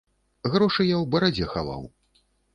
Грошы я ў барадзе хаваў.